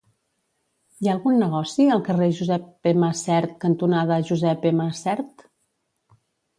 Hi ha algun negoci al carrer Josep M. Sert cantonada Josep M. Sert?